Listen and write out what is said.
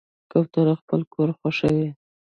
کوتره خپل کور خوښوي.